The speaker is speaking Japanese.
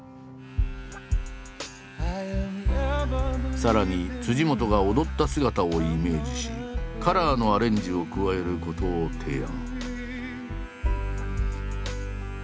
さらに本が踊った姿をイメージしカラーのアレンジを加えることを提案。